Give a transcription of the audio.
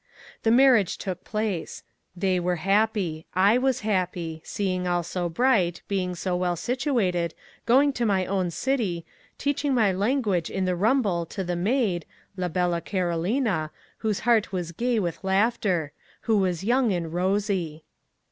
The marriage took place. They were happy. I was happy, seeing all so bright, being so well situated, going to my own city, teaching my language in the rumble to the maid, la bella Carolina, whose heart was gay with laughter: who was young and rosy.